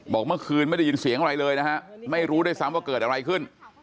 บอกเมื่อคืนไม่ได้ยินเสียงอะไรเลยนะฮะไม่รู้ด้วยซ้ำว่าเกิดอะไรขึ้น